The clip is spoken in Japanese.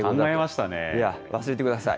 忘れてください。